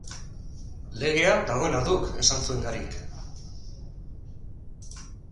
Legea, dagoena duk, esan zuen Garik.